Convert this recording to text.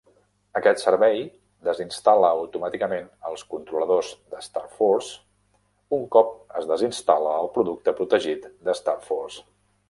Aquest servei desinstal·la automàticament els controladors de StarForce un cop es desinstal·la el producte protegit de StarForce.